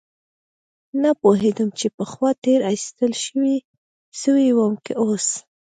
نه پوهېدم چې پخوا تېر ايستل سوى وم که اوس.